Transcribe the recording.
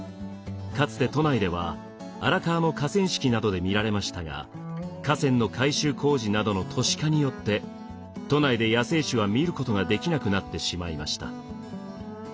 かつて都内では荒川の河川敷などで見られましたが河川の改修工事などの都市化によって都内で野生種は見ることができなくなってしまいました。